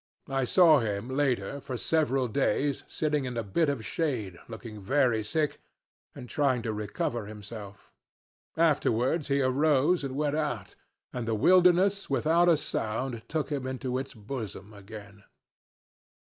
I saw him, later on, for several days, sitting in a bit of shade looking very sick and trying to recover himself: afterwards he arose and went out and the wilderness without a sound took him into its bosom again.